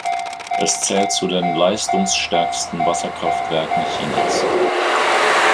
Es zählt zu den leistungsstärksten Wasserkraftwerken Chinas.